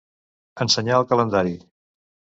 Ensenyar el calendari.